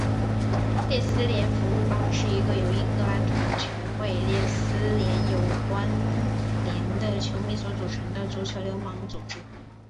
列斯联服务帮是一个由英格兰球会列斯联有关连的球迷所组成的足球流氓组织。